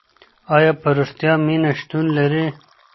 آیا په رښتیا مینه شتون لري؟